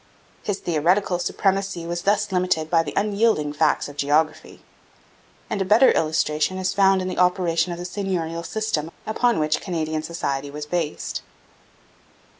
His theoretical supremacy was thus limited by the unyielding facts of geography. And a better illustration is found in the operation of the seigneurial system upon which Canadian society was based.